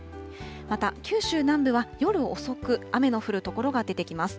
また九州南部は夜遅く、雨の降る所が出てきます。